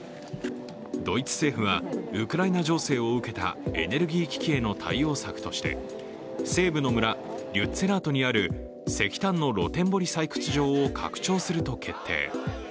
ドイツ政府はウクライナ情勢を受けたエネルギー危機への対応策として、西部の村、リュッツェラートにある石炭の露天掘り採掘場を拡張すると決定。